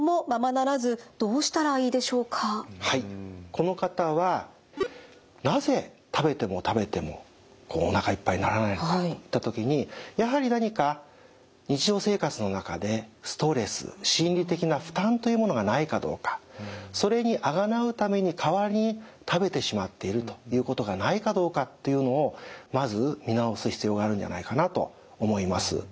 この方はなぜ食べても食べてもこうおなかいっぱいにならないのかといった時にやはり何か日常生活の中でストレス心理的な負担というものがないかどうかそれにあがなうために代わりに食べてしまっているということがないかどうかっていうのをまず見直す必要があるんじゃないかなと思います。